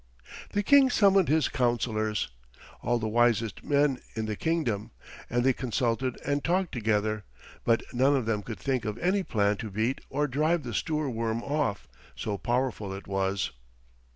The King summoned his councillors, all the wisest men in the kingdom, and they consulted and talked together, but none of them could think of any plan to beat or drive the Stoorworm off, so powerful it was.